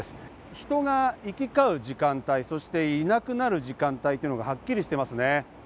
人が行き交う時間帯、そしていなくなる時間帯がはっきりしていますね。